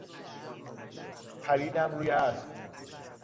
پریدم روی اسب.